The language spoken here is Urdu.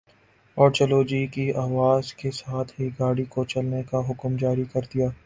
اور چلو جی کی آواز کے ساتھ ہی گاڑی کو چلنے کا حکم جاری کر دیا